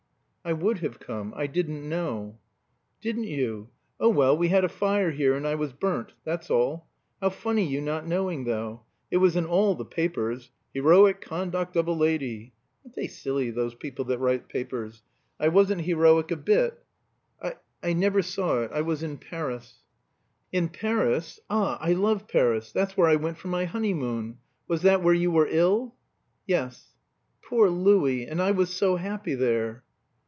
"I would have come. I didn't know." "Didn't you? Oh, well we had a fire here, and I was burnt; that's all. How funny you not knowing, though. It was in all the papers 'Heroic conduct of a lady.' Aren't they silly, those people that write papers. I wasn't heroic a bit." "I I never saw it. I was in Paris." "In Paris? Ah, I love Paris! That's where I went for my honeymoon. Was that where you were ill?" "Yes." "Poor Louis! And I was so happy there."